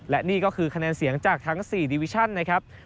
และนี่ก็คือคะแนนเสียงจากทั้ง๔ดิวิชั่นนะครับ